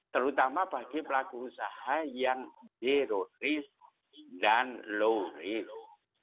terutama bagi pelaku usaha yang zero risk dan low rilis